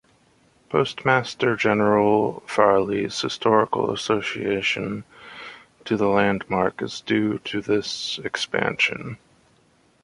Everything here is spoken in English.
Postmaster General Farley's historical association to the landmark is due to this expansion.